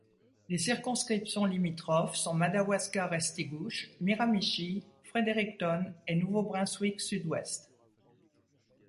Les circonscriptions limitrophes sont Madawaska—Restigouche, Miramichi, Fredericton et Nouveau-Brunswick-Sud-Ouest.